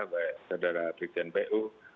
baik saudara brikjen pu